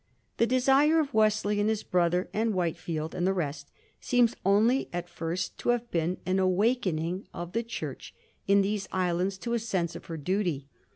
The desire of Wesley and his brother, and Whitefield and the rest, seems only at first to have been an awakening of the Church in these islands to a sense of her duty.